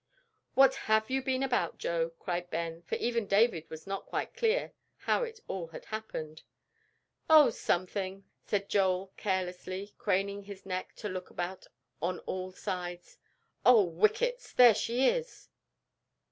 "What have you been about, Joe?" cried Ben, for even David was not quite clear how it all had happened. "Oh, something " said Joel, carelessly craning his neck to look about on all sides. "Oh, whickets! There she is."